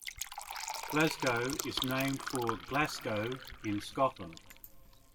Glasco is named for Glasgow, in Scotland.